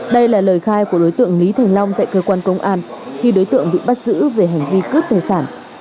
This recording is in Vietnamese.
đây là lời khai của đối tượng lý thành long tại cơ quan công an khi đối tượng bị bắt giữ về hành vi cướp tài sản